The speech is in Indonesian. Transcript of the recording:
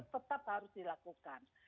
tetap harus dilakukan